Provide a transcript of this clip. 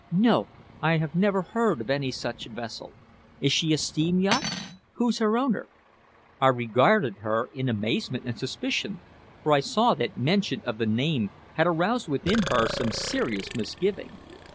"No. I have never heard of any such a vessel. Is she a steam yacht? Who's her owner?" I regarded her in amazement and suspicion, for I saw that mention of the name had aroused within her some serious misgiving.